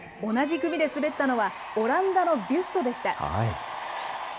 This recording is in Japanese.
同じ組で滑ったのは、オランダのビュストでした。